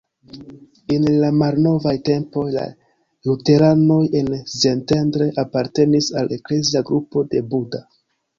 En la malnovaj tempoj la luteranoj en Szentendre apartenis al eklezia grupo de Buda.